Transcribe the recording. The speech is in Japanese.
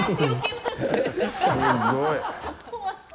すっごい。